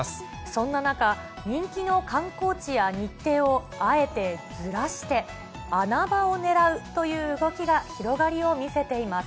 そんな中、人気の観光地や日程をあえてずらして、穴場を狙うという動きが広がりを見せています。